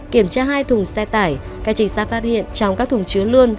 kiểm tra hai thùng xe tải các trình sát phát hiện trong các thùng chứa lươn